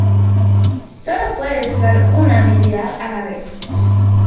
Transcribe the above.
Solo puede usar una habilidad a la vez.